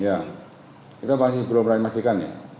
ya kita masih belum berani memastikan ya